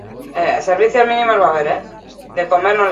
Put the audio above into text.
Litioa hain da biguna, laban batekin moztu baitaiteke.